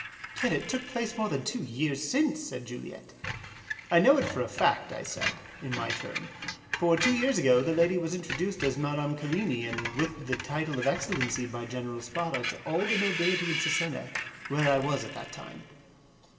"Yet it took place more than two years since," said Juliette. "I know it for a fact," I said, in my turn; "for, two years ago, the lady was introduced as Madame Querini and with the title of excellency by General Spada to all the nobility in Cesena, where I was at that time."